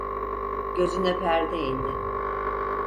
Gözüne perde indi...